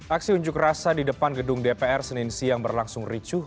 aksi unjuk rasa di depan gedung dpr senin siang berlangsung ricuh